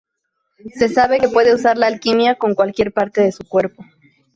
Se sabe que puede usar la alquimia con cualquier parte de su cuerpo.